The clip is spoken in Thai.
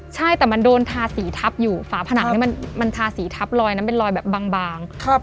ใช่แต่มันโดนทาสีทับอยู่ฝาผนังนี่มันทาสีทับลอยนั้นเป็นรอยแบบบาง